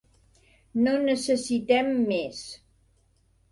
No necessitem més.